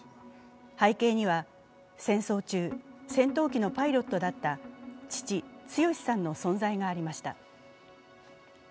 背景には戦争中、戦闘機のパイロットだった父・強さんの存在がありました。